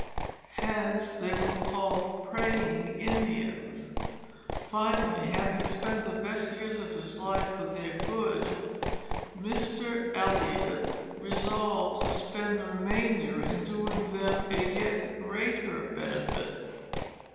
Hence they were called 'praying Indians.' Finally, having spent the best years of his life for their good, Mr. Eliot resolved to spend the remainder in doing them a yet greater benefit."